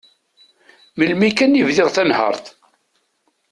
Melmi kan i bdiɣ tanhert.